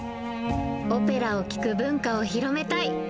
オペラを聴く文化を広めたい。